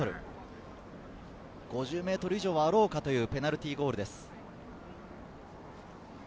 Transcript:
５０ｍ以上はあろうかというペナルティーゴールです。